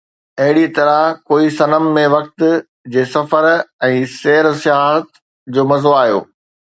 اهڙيءَ طرح ڪوئي صنم ۾ وقت جي سفر ۽ سير سياحت جو مزو آيو